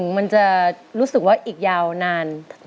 มันจะรู้สึกว่าอีกยาวนาน